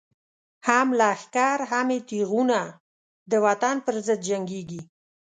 هم لښکر هم یی تیغونه، دوطن پر ضد جنګیږی